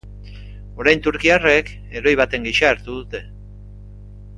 Orain turkiarrek heroi baten gisa hartu dute.